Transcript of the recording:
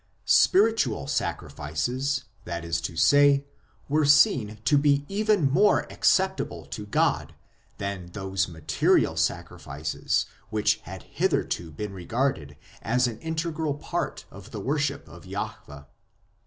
Spiritual sacrifices, that is to say, were seen to be even more acceptable to God than those material sacrifices which had hitherto been regarded as an integral part of the worship of Jahwe.